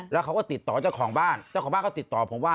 แล้วเขาก็ติดต่อเจ้าของบ้านเจ้าของบ้านก็ติดต่อผมว่า